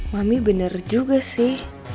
mami bener juga sih